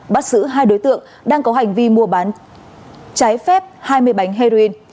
bắt xử hai đối tượng đang có hành vi mua bán trái phép hai mươi bánh heroin